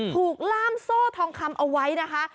ล่ามโซ่ทองคำเอาไว้นะคะ